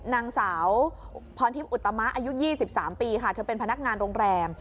นางสาวพรทิพย์อุตมะอายุ๒๓ปีค่ะเธอเป็นพนักงานโรงแรม